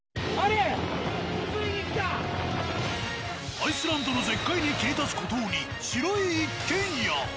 アイスランドの絶海に切り立つ孤島に白い一軒家。